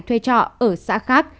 thuê trọ ở xã khác